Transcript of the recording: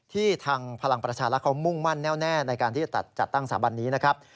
ทางพลังประชารัฐเขามุ่งมั่นแน่วแน่ในการที่จะจัดตั้งสถาบันนี้นะครับ